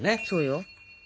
そうよ。